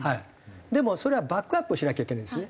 でもそれはバックアップをしなきゃいけないんですね